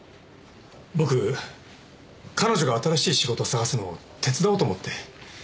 僕彼女が新しい仕事探すのを手伝おうと思って。